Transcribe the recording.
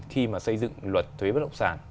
khi mà xây dựng luật thuế bất động sản